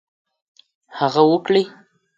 هغه وکړي.